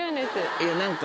いや何か。